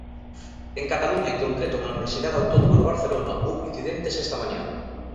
En Cataluña, en concreto na Universidade Autónoma de Barcelona houbo incidentes esta mañá.